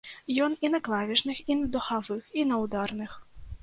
Ён і на клавішных, і на духавых, і на ўдарных.